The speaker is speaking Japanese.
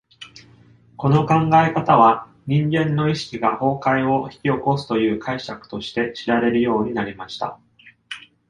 この考え方は、人間の意識が崩壊を引き起こすという解釈として知られるようになりました。